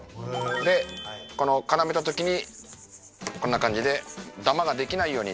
でこの絡めた時にこんな感じでダマができないように。